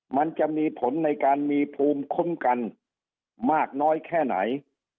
มันจะมีผลในการมีภูมิคุ้มกันมากน้อยแค่ไหน